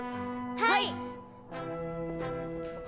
はい！